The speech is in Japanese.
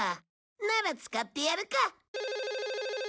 なら使ってやるか！